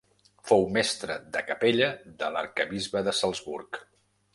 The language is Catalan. Fou mestre de capella de l'arquebisbe de Salzburg.